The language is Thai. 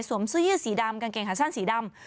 เสื้อยืดสีดำกางเกงขาสั้นสีดำ